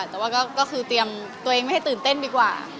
แต่ว่าก็คือเตรียมตัวเองไม่ให้ตื่นเต้นดีกว่า